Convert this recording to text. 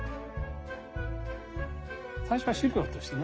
最初は資料としてね